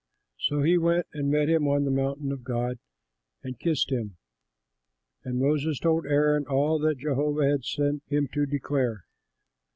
So he went and met him on the mountain of God and kissed him. And Moses told Aaron all that Jehovah had sent him to declare.